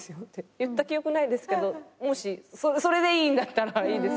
言った記憶ないですけどそれでいいんだったらいいですけど。